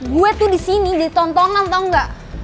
gue tuh disini jadi tontonan tau gak